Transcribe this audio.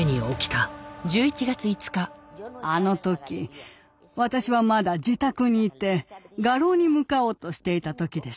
あの時私はまだ自宅に居て画廊に向かおうとしていた時でした。